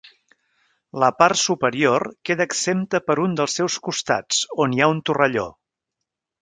La part superior queda exempta per un dels seus costats, on hi ha un torrelló.